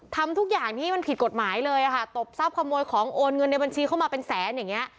ทำทุกอย่างที่มันผิดกฎหมายเลยอะค่ะตบทรัพย์ขโมยของโอนเงินในบัญชีเข้ามาเป็นแสนอย่างเงี้